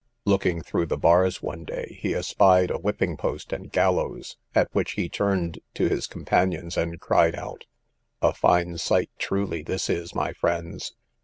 Looking through the bars one day, he espied a whipping post and gallows, at which he turned to his companions, and cried out, A fine sight truly this is, my friends!